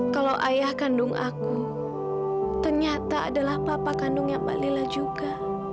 kalau ayah kandung aku ternyata adalah bapak kandungnya mbak lila juga